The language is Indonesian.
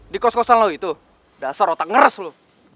di kos kosan lo itu dasar otak ngeres lo